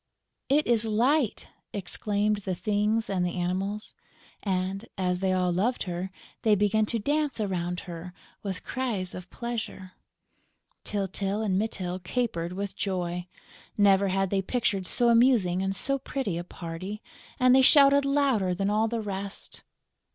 "It is Light!" exclaimed the Things and the Animals; and, as they all loved her, they began to dance around her with cries of pleasure. Tyltyl and Mytyl capered with joy. Never had they pictured so amusing and so pretty a party; and they shouted louder than all the rest.